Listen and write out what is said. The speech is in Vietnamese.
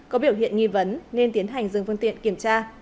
có biểu hiện nghi vấn nên tiến hành dừng phương tiện kiểm tra